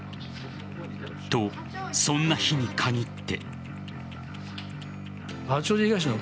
と、そんな日に限って。